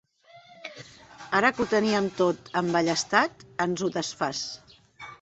Ara que ho teníem tot emballestat, ens ho desfàs!